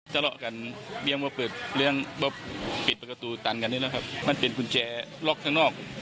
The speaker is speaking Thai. ทะเลาะกันเลี้ยงมาเปิดเลี้ยงปิดประตูตันกันนี่แหละครับมันเป็นกุญแจล็อกข้างนอก